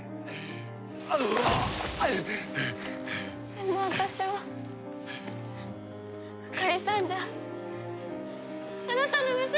でも私はあかりさんじゃあなたの娘じゃない！